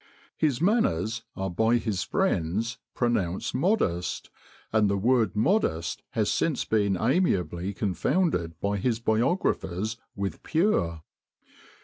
His manners are by his friends pronounced 'modest,' and the word modest has since been amiably confounded by his biographers with 'pure.